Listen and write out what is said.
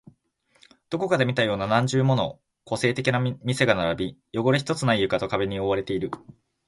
どこかで見たような何十もの個性的な店が並び、汚れ一つない床と壁に覆われている